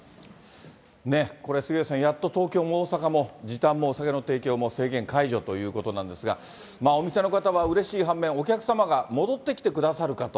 これ、杉上さん、やっと東京も大阪も、時短もお酒の提供も制限解除ということなんですが、お店の方はうれしい反面、お客様が戻ってきてくださるかと。